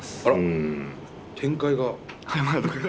あら展開が。